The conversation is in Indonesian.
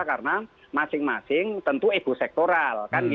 karena masing masing tentu ekosektoral